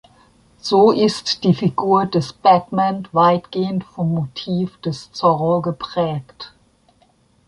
So ist die Figur des Batman weitgehend vom Motiv des Zorro geprägt.